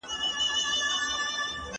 کوم شی خلک یو ځای ساتلو ته مجبوروي؟